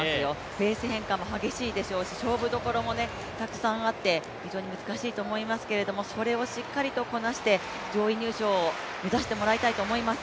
ペース変化も激しいでしょうし、勝負どころもたくさんあって、非常に難しいと思いますけれどもそれをしっかりとこなして上位入賞を目指してもらいたいと思います。